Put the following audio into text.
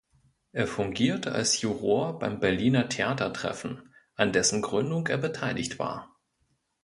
Er fungierte als Juror beim Berliner Theatertreffen, an dessen Gründung er beteiligt war.